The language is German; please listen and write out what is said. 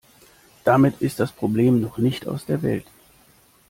Damit ist das Problem noch nicht aus der Welt.